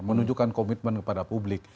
menunjukkan komitmen kepada publik